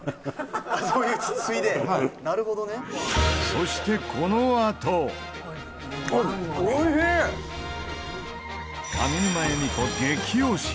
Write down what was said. そしてこのあと！上沼恵美子激推し！